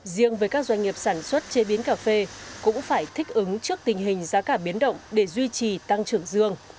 riêng với các doanh nghiệp sản xuất chế biến cà phê cũng phải thích ứng trước tình hình giá cả biến động để duy trì tăng trưởng dương